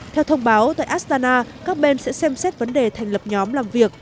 theo thông báo tại astana các bên sẽ xem xét vấn đề thành lập nhóm làm việc